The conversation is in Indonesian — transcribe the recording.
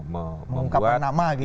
mengungkapkan nama gitu